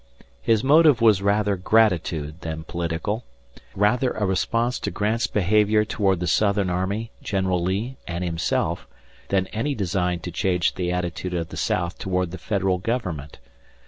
His motive was rather gratitude than political, rather a response to Grant's behavior toward the Southern army, General Lee, and himself, than any design to change the attitude of the South toward the Federal Government.